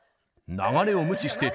流れを無視して